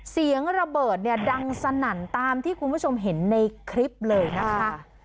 เสียงระเบิดเนี่ยดังสนั่นตามที่คุณผู้ชมเห็นในคลิปเลยนะคะ